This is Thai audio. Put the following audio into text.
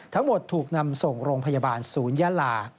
ทั้งหมดถูกนำส่งโรงพยาบาลศูนยาลา